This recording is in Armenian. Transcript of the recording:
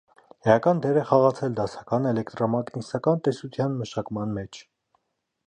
Էական դեր է խաղացել դասական էլեկտրամագնիսական տեսության մշակման մեջ։